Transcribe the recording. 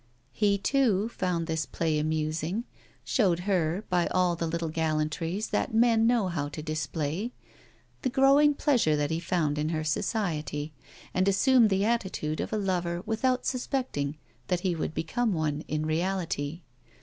He, too, found this play amusing, showed her, by all the little gallantries that men know how to display, the growing pleasure that he found in her society, and assumed the attitude of a lover without suspecting that he would become one in reality.